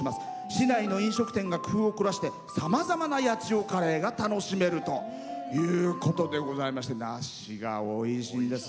市内の飲食店が工夫を凝らしてさまざまな八千代カレーが楽しめるということでございまして梨がおいしいです。